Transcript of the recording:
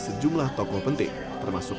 sejumlah tokoh penting termasuk